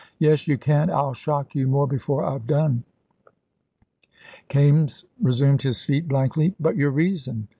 "Yes, you can. I'll shock you more before I've done." Kaimes resumed his seat blankly. "But your reason?"